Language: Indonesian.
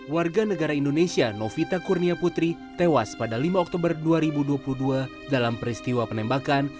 warga negara indonesia novita kurnia putri tewas pada lima oktober dua ribu dua puluh dua dalam peristiwa penembakan